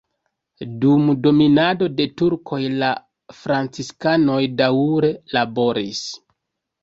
Dum dominado de turkoj la franciskanoj daŭre laboris.